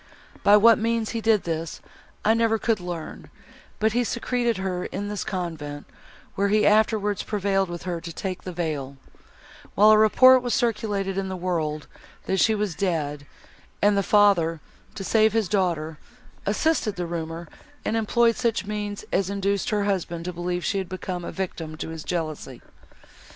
By what means he did this, I never could learn; but he secreted her in this convent, where he afterwards prevailed with her to take the veil, while a report was circulated in the world, that she was dead, and the father, to save his daughter, assisted the rumour, and employed such means as induced her husband to believe she had become a victim to his jealousy.